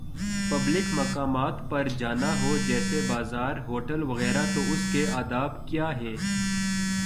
Public مقامات پر جانا ہو، جیسے بازار" ہوٹل وغیرہ تو اس کے آداب کیا ہیں۔